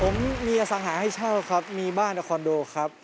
ผมมีอสังหาให้เช่าครับมีบ้านกับคอนโดครับ